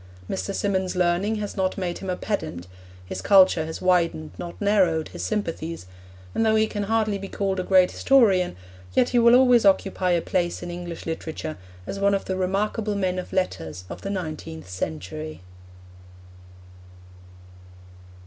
Mr. Symonds' learning has not made him a pedant; his culture has widened not narrowed his sympathies, and though he can hardly be called a great historian, yet he will always occupy a place in English literature as one of the remarkable men of letters in the nineteenth century.